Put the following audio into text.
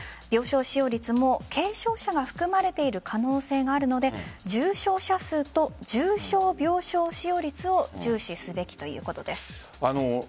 病床使用率も軽症者が含まれている可能性があるので重症者数と重症病床使用率を注視すべきということです。